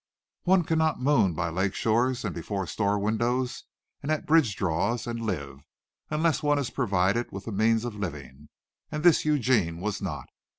One cannot moon by lake shores and before store windows and at bridge draws and live, unless one is provided with the means of living, and this Eugene was not.